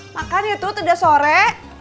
makan ya tut udah sore